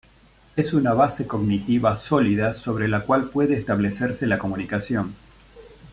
Es una base cognitiva sólida sobre la cual puede establecerse la comunicación.